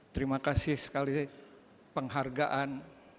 terima kasih sekali penghargaan